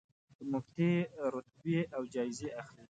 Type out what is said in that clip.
مفتې رتبې او جایزې اخلي.